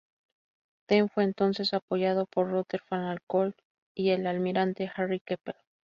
Dent fue entonces apoyado por Rutherford Alcock y el almirante Harry Keppel.